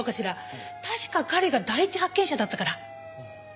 確か彼が第一発見者だったから。